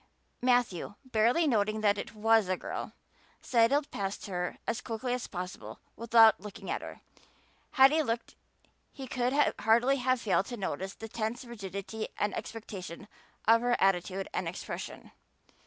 Matthew, barely noting that it was a girl, sidled past her as quickly as possible without looking at her. Had he looked he could hardly have failed to notice the tense rigidity and expectation of her attitude and expression.